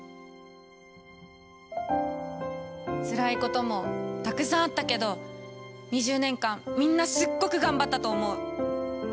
つらいこともたくさんあったけど２０年間みんなすっごく頑張ったと思う。